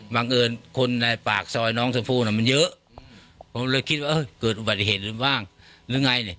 บังเอิญคนในปากซอยน้องชมพู่น่ะมันเยอะผมเลยคิดว่าเออเกิดอุบัติเหตุบ้างหรือไงเนี่ย